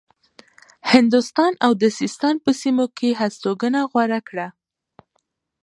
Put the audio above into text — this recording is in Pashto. هندوستان او د سیستان په سیمو کې هستوګنه غوره کړه.